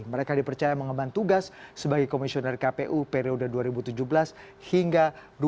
mereka dipercaya mengembang tugas sebagai komisioner kpu periode dua ribu tujuh belas hingga dua ribu sembilan belas